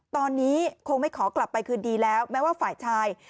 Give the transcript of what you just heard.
ตอนนี้คงไม่ขอกลับไปคืนดีแล้วแม้ว่าฝ่ายชาย